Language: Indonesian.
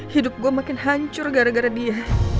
hidup gue makin hancur gara gara dia